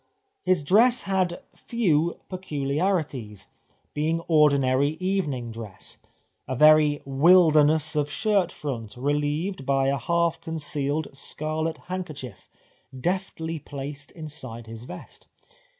His dress had few pecuharities, being ordinary evening dress, a very wilderness of shirt front, re lieved by a half concealed scarlet handkerchief, deftly placed inside his vest.